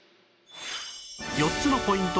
４つのポイント